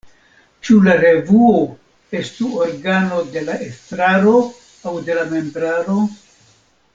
Ĉu la revuo estu organo de la estraro aŭ de la membraro?